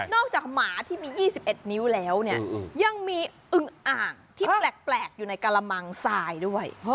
จากหมาที่มี๒๑นิ้วแล้วเนี่ยยังมีอึงอ่างที่แปลกอยู่ในกระมังทรายด้วย